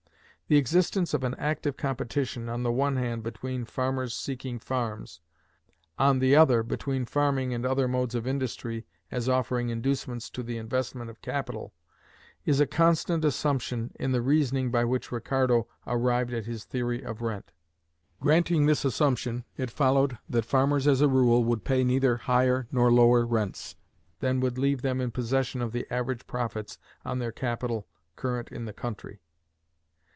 The existence of an active competition, on the one hand between farmers seeking farms, on the other between farming and other modes of industry as offering inducements to the investment of capital, is a constant assumption in the reasoning by which Ricardo arrived at his theory of rent. Granting this assumption, it followed that farmers as a rule would pay neither higher nor lower rents than would leave them in possession of the average profits on their capital current in the country.